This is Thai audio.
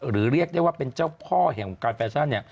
หรือเรียกได้ว่าเป็นเจ้าพ่อของการแฟชั่น